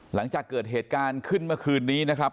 หลังจากเกิดเหตุการณ์ขึ้นเมื่อคืนนี้นะครับ